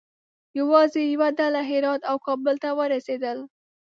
یوازې یوه ډله هرات او کابل ته ورسېدل.